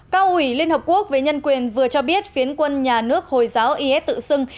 cao ủy liên hợp quốc về nhân quyền vừa cho biết phiến quân nhà nước hồi giáo is tự xưng